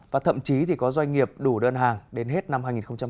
và thậm chí có doanh nghiệp đủ đơn hàng đến hết năm hai nghìn hai mươi